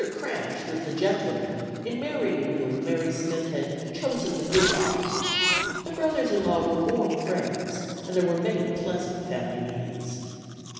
Cranch was the gentleman in marrying whom Mary Smith had "chosen the good part." The brothers in law were warm friends and there were many pleasant family meetings.